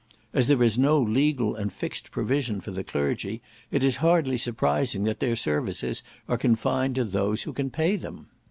As there is no legal and fixed provision for the clergy, it is hardly surprising that their services are confined to those who can pay them.